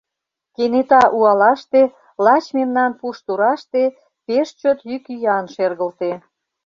Кенета уалаште, лач мемнан пуш тураште, пеш чот йӱк-йӱан шергылте.